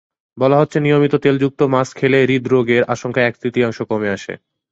বলা হচ্ছে, নিয়মিত তেলযুক্ত মাছ খেলে হৃদ্রোগের আশঙ্কা এক-তৃতীয়াংশ কমে আসে।